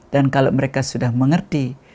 dan kalau mereka sudah mengerti